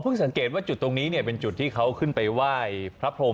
สังเกตว่าจุดตรงนี้เนี่ยเป็นจุดที่เขาขึ้นไปไหว้พระพรม